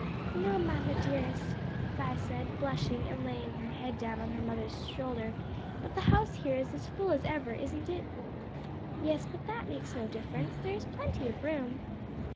"No, mamma dearest," Vi said, blushing and laying her head down on her mother's shoulder, "but the house here is as full as ever, isn't it?" "Yes, but that makes no difference; there is plenty of room."